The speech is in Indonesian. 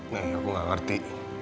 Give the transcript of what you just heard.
nih aku gak ngerti